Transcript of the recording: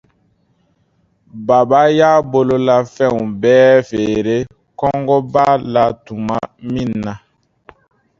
Baba y'a bolofɛn bɛɛ feere kɔngɔ b'a la tuma min na